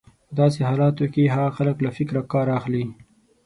په داسې حالتونو کې هغه خلک له فکره کار اخلي.